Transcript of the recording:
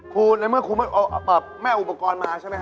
ครูแล้วเมื่อคุณมาปรับแม่อุปกรณ์มาใช่ไหมคะ